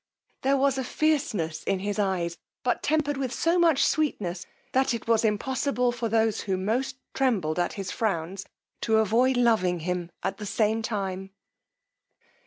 There was a fierceness in his eyes, but tempered with so much sweetness, that it was impossible for those who most trembled at his frowns to avoid loving him at the same time.